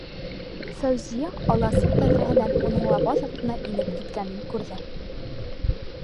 Фәүзиә, аласыҡ тәҙрәһенән уның лапаҫ аҫтына инеп киткәнен күрҙе.